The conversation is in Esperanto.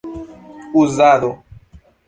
uzado